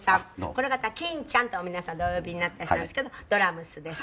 この方、キンちゃんと皆さんでお呼びになってらっしゃるんですけどドラムスです。